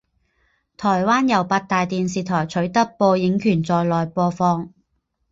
台湾由八大电视台取得播映权在内播放。